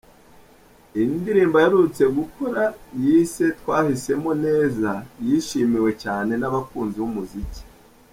Indirimbo aherutse gukora yise 'Twahisemo neza' yishimiwe cyane n'abakunzi b'umuziki.